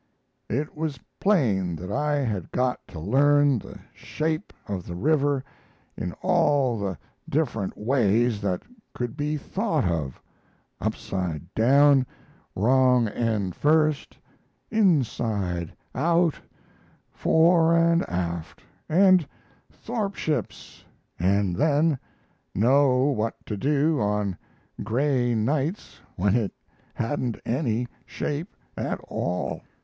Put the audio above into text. It was plain that I had got to learn the shape of the river in all the different ways that could be thought of upside down, wrong end first, inside out, fore and aft, and "thort ships," and then know what to do on gray nights when it hadn't any shape at all.